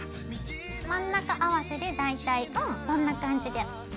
真ん中合わせで大体うんそんな感じで。